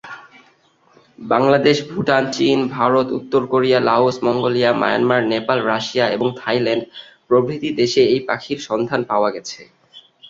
বাংলাদেশ, ভুটান, চীন, ভারত, উত্তর Korea, Laos, Mongolia, Myanmar, Nepal, Russia এবং থাইল্যান্ড প্রভৃতি দেশে এই পাখির সন্ধান পাওয়া গেছে।